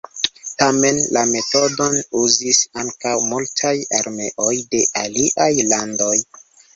Tamen la metodon uzis ankaŭ multaj armeoj de aliaj landoj.